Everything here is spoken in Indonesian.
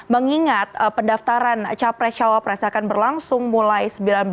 mengingat pendaftaran capres cawapres akan berlangsung mulai sembilan belas